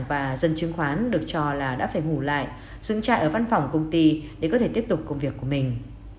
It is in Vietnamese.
và dân chứng khoán được cho là đã phải ngủ lại dừng trại ở văn phòng công ty để có thể tiếp tục công việc của mình